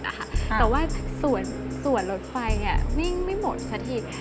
แต่ว่ารถไฟ่วิ่งไม่หมดซะเทียด